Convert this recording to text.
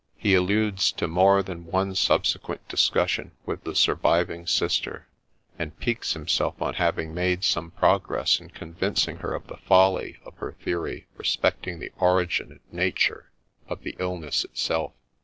He alludes to more than one subsequent dis cussion with the surviving sister, and piques himself on having made some progress in convincing her of the folly of her theory respecting the origin and nature of the illness itself.